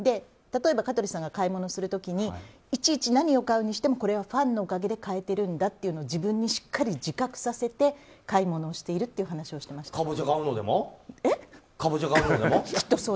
例えば、香取さんが買い物する時にいちいち何を買うにしてもこれはファンのおかげで買えてるんだというのを自分にしっかり自覚させて買い物をしているという話をしてました。